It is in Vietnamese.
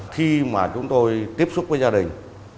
khi mà chúng tôi tiếp xúc với gia đình